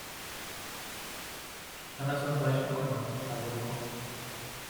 من ازت خواهش می کنم قبول کن